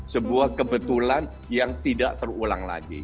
sebuah kebetulan yang tidak terulang lagi